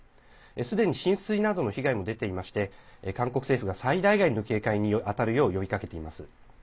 すでに浸水などの被害も出ていまして韓国政府が最大限の警戒に当たるよう呼びかけています。